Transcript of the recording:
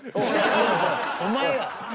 お前や。